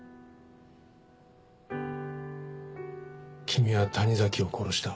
君は谷崎を殺した。